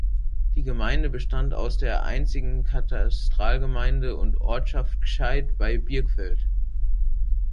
Die Gemeinde bestand aus der einzigen Katastralgemeinde und Ortschaft Gschaid bei Birkfeld.